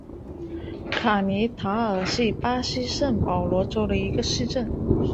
卡尼塔尔是巴西圣保罗州的一个市镇。